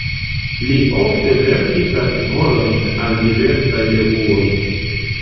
Li ofte verkis artikolojn al diversaj revuoj.